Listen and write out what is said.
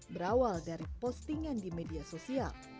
berawal dari postingan di media sosial